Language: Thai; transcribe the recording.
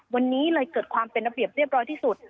วันนี้เลยเกิดความเป็นระเบียบเรียบร้อยที่สุด